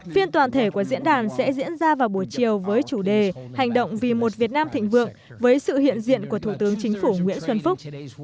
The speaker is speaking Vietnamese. phiên toàn thể của diễn đàn sẽ diễn ra vào buổi chiều với chủ đề hành động vì một việt nam thịnh vượng với sự hiện diện của thủ tướng chính phủ nguyễn xuân phúc